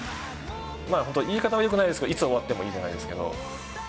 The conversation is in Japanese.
まあ本当、言い方はよくないですけど、いつ終わってもいいじゃないですけど。